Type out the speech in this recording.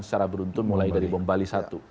secara beruntun mulai dari bom bali satu